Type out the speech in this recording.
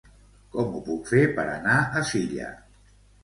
Com ho puc fer per anar a Silla?